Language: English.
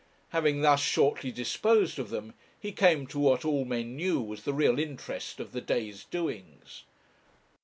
Having thus shortly disposed of them, he came to what all men knew was the real interest of the day's doings.